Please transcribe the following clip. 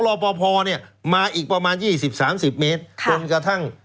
รอพอพอเนี่ยมาอีกประมาณ๒๐๓๐เมตรค่ะต้นกระทั่ง